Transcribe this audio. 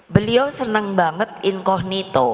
beliau senang banget incognito